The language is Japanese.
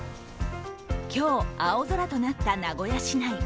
今日、青空となった名古屋市内。